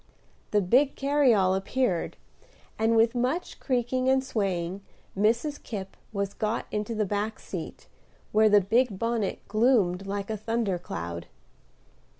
The big carryall appeared, and, with much creaking and swaying Mrs. Kipp was got into the back seat, where the big bonnet gloomed like a thunder cloud.